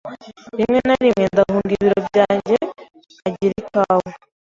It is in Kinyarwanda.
Rimwe na rimwe ndahunga ibiro byanjye nkagira ikawa.